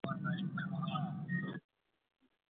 سبزیجات د بدن لپاره ولي اړین دي؟